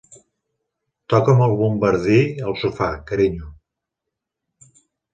Toca'm el bombardí al sofà, carinyo.